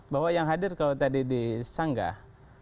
bahwa yang hadir kalau tadi di sanggah